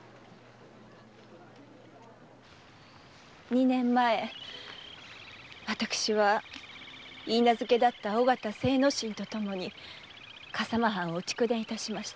二年前私は許婚だった尾形精之進とともに笠間藩を逐電致しました。